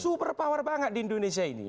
super power banget di indonesia ini